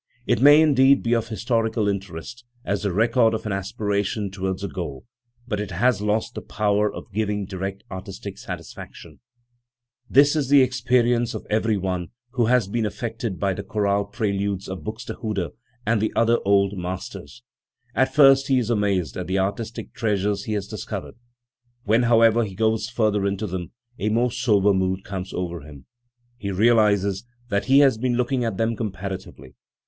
It may indeed be of historical interest, as the record of an aspiration towards a goal; but it has lost the power of giving direct artistic satisfaction. Schweitzer, Bach. A <0 VI. The Cantata and the Passion before Bach, This is the experience of everyone who has been affected by the chorale preludes of Buxtehude and the other old masters. At first he is amazed at the artistic treasures he has discovered; when, however, he goes further into them, a more sober mood comes oyer him. He realises that he has been looking at them comparatively, i.